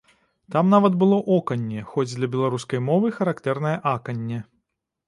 Там нават было оканне, хоць для беларускай мовы характэрнае аканне.